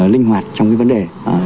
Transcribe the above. linh hoạt trong cái vấn đề